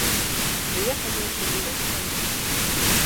Прыехаў ён сюды як стаіць.